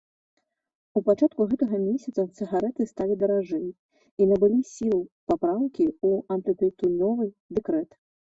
У пачатку гэтага месяца цыгарэты сталі даражэй і набылі сілу папраўкі ў антытытунёвы дэкрэт.